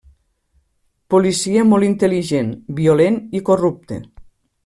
Policia molt intel·ligent, violent i corrupte.